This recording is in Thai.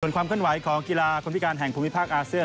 ส่วนความเข้าไว้ของกีฬาคนพิการแห่งภูมิภาคอาเซียน